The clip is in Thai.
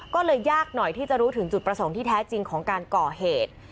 ก็เลยยากหน่อยที่จะรู้ถึงจุดประสงค์ที่แท้จริงของการก่อเหตุ